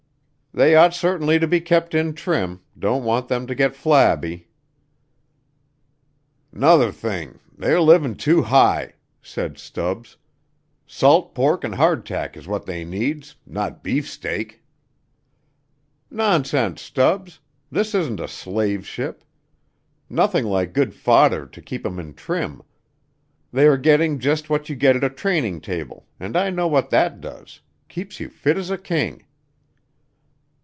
"They ought certainly to be kept in trim. Don't want them to get flabby." "'Nother thing, they are livin' too high," said Stubbs. "Salt pork and hardtack is what they needs, not beefsteak." "Nonsense, Stubbs. This isn't a slave ship. Nothing like good fodder to keep 'em in trim. They are getting just what you get at a training table, and I know what that does, keeps you fit as a king."